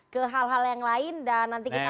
ke hal hal yang lain dan nanti kita